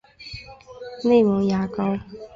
内蒙邪蒿